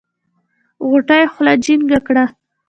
غوټۍ خوله جينګه کړه.